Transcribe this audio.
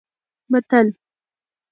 متل: